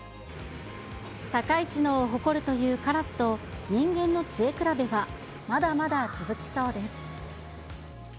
高い知能を誇るというカラスと、人間の知恵比べは、まだまだ続きそうです。